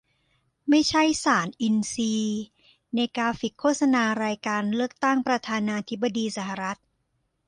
ไม่ใช่ สาร"อินทรีย์" - ในกราฟิกโฆษณารายการเลือกตั้งประธานาธิบดีสหรัฐ